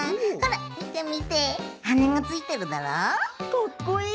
かっこいい！